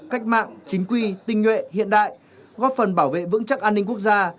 cách mạng chính quy tinh nhuệ hiện đại góp phần bảo vệ vững chắc an ninh quốc gia